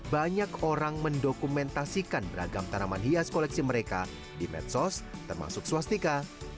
banyak orang mendokumentasikan beragam tanaman hias koleksi mereka di medsos termasuk swastika